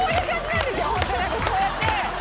何かこうやって。